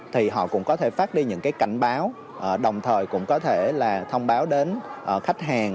thì họ cũng có thể phát đi những cái cảnh báo đồng thời cũng có thể là thông báo đến khách hàng